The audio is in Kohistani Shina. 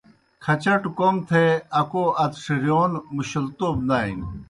کھچٹوْ کوْم تھے اکو ادڇِھرِیون مُشَلتوب نانیْ۔